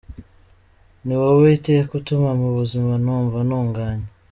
Ni wowe iteka utuma mu buzima numva ntunganye.